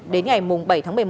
đến ngày bảy tháng một mươi một